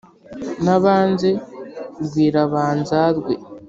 nabanze rwirabanzarwe